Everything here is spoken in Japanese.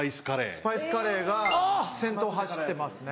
スパイスカレーが先頭走ってますね。